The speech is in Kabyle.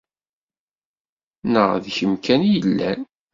Neɣ d kemm kan i yellan.